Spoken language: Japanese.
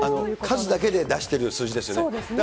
数だけで出してる数字ですよね。